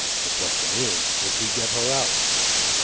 The question is, could we get her out?"